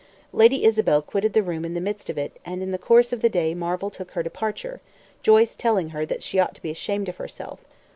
Lady Isabel quitted the room in the midst of it; and in the course of the day Marvel took her departure, Joyce telling her that she ought to be ashamed of herself.